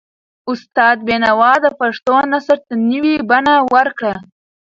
استاد بینوا د پښتو نثر ته نوي بڼه ورکړه.